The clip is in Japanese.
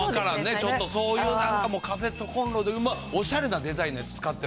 ちょっとそういうような、カセットコンロおしゃれなデザインのやつ、使ってる。